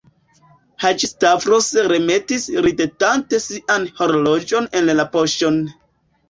Haĝi-Stavros remetis ridetante sian horloĝon en la poŝon.